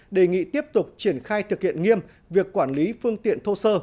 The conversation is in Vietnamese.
đề nghị tiếp tục triển khai thực hiện nghiêm việc quản lý phương tiện thô sơ